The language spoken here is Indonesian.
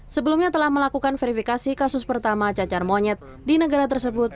sebelumnya telah melakukan verifikasi kasus pertama cacar monyet di negara tersebut